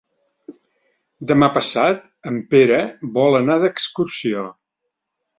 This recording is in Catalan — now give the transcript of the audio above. Demà passat en Pere vol anar d'excursió.